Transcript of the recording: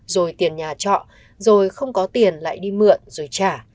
rồi tiền nhà trọ rồi không có tiền lại đi mượn rồi trả